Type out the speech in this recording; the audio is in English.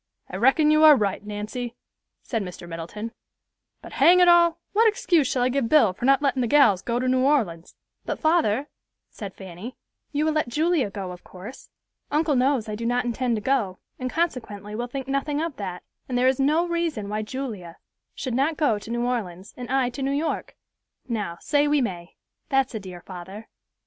"I reckon you are right, Nancy," said Mr. Middleton; "but hang it all, what excuse shall I give Bill for not lettin' the gals go to New Orleans?" "But, father," said Fanny, "you will let Julia go, of course. Uncle knows I do not intend to go, and consequently will think nothing of that; and there is no reason why Julia should not go to New Orleans, and I to New York. Now, say we may; that's a dear father."